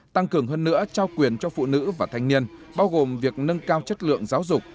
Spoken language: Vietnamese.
tăng cường hơn nữa trao quyền cho phụ nữ và thanh niên bao gồm việc nâng cao chất lượng giáo dục